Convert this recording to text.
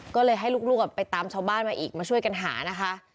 ก็เลยให้ลูกไปตามชาวบ้านมาอีกมาช่วยกันหานะคะ